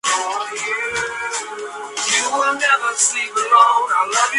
Python tiene un tipo de conjunto incorporado, pero no un conjunto en sí.